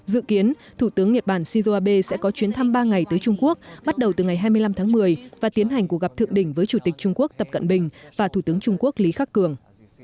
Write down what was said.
dự kiến thủ tướng nhật bản shinzo abe sẽ có chuyến thăm ba ngày tới trung quốc bắt đầu từ ngày hai mươi năm tháng một mươi và tiến hành cuộc gặp thượng đỉnh với chủ tịch trung quốc tập cận bình và thủ tướng trung quốc lý khắc cường